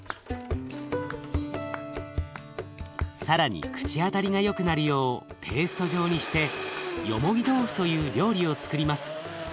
更に口当たりがよくなるようペースト状にしてよもぎ豆腐という料理をつくります。